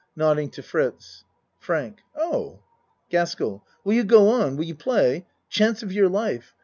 (Nodding to Fritz.) FRANK Oh GASKELL Will you go on? Will you play? Chance of your life.